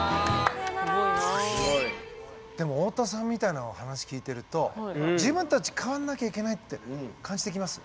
でも太田さんみたいなお話聞いてると自分たち変わんなきゃいけないって感じてきます？